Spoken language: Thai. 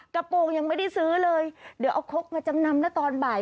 กระโปรงยังไม่ได้ซื้อเลยเดี๋ยวเอาคกมาจำนำนะตอนบ่าย